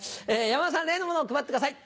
山田さん例のものを配ってください。